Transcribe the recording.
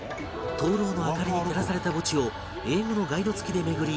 灯籠の明かりに照らされた墓地を英語のガイド付きで巡り